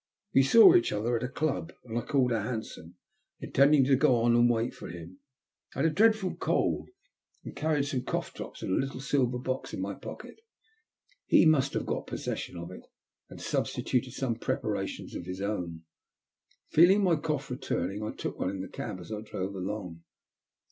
We saw each other at a club, and I called a hansom, intending to go on and wait for him. I had a dreadful cold, and carried some cough drops in a little silver box in my pocket. He must have got possession of it, and sub stituted some preparations of his own. Feeling my cough returning, I took one in the cab as I drove along.